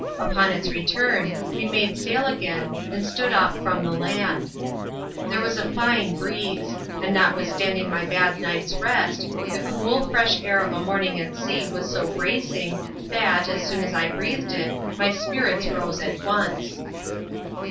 Upon its return we made sail again, and stood off from the land. There was a fine breeze ; and, notwithstanding my bad night's rest, the cool fresh air of a morning at sea was so bracing, that, as soon as I breathed it, my spirits rose at once.